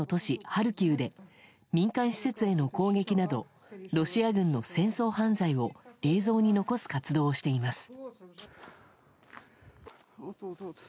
ハルキウで民間施設への攻撃などロシア軍の戦争犯罪を映像に残す活動をしています。